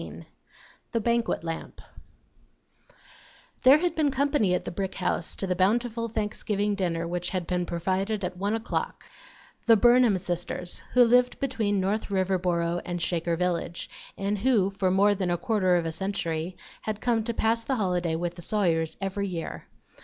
XV THE BANQUET LAMP There had been company at the brick house to the bountiful Thanksgiving dinner which had been provided at one o'clock, the Burnham sisters, who lived between North Riverboro and Shaker Village, and who for more than a quarter of a century had come to pass the holiday with the Sawyers every year.